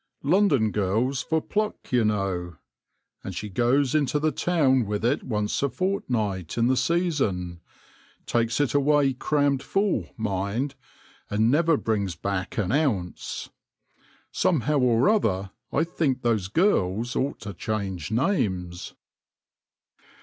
" London girls for pluck, you know ! And she goes into the town with it once a fortnight in the season ; takes it away crammed full, mind, and never brings back an ounce ! BEE KEEPING AND THE SIMPLE LIFE 191 Somehow or other, I think those girls ought to change names